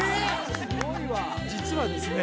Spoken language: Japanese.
・すごいわ実はですね